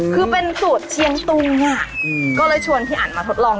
คือเป็นสูตชเชียงตุ้น